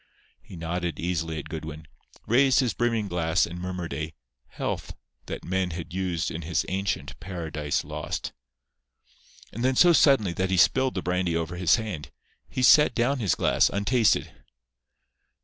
He nodded easily at Goodwin, raised his brimming glass and murmured a "health" that men had used in his ancient Paradise Lost. And then so suddenly that he spilled the brandy over his hand, he set down his glass, untasted.